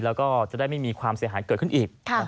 แล้วก็จะได้ไม่มีความเสียหายเกิดขึ้นอีก